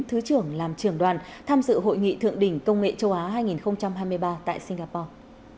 thứ trưởng làm trưởng đoàn tham dự hội nghị thượng đỉnh công nghệ châu á hai nghìn hai mươi ba tại singapore